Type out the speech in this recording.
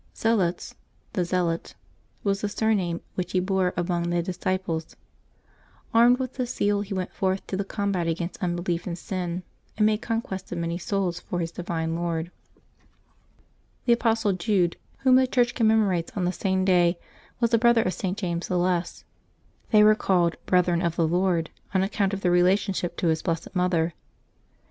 Zelotes, "the zealot," was the surname which he bore among the disci ples. Armed with this zeal he went forth to the combat against unbelief and sin, and made conquest of many souls for His divine Lord. The apostle Jude, whom the Church commemorates on the same day, was a brother of St. James the Less. They were called " brethren of the Lord," on account of their relationship to His Blessed Mother.